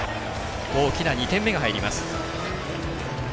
大きな２点目が入ります。